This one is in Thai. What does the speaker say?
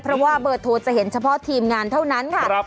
เพราะว่าเบอร์โทรจะเห็นเฉพาะทีมงานเท่านั้นค่ะ